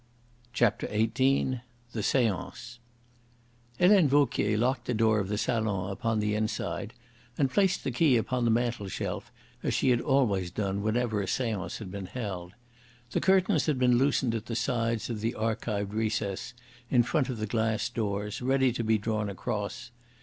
CHAPTER XVIII THE SEANCE Helene Vauquier locked the door of the salon upon the inside and placed the key upon the mantel shelf, as she had always done whenever a seance had been held. The curtains had been loosened at the sides of the arched recess in front of the glass doors, ready to be drawn across.